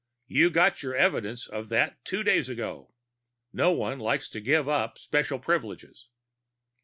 You got your evidence of that two days ago. No one likes to give up special privileges."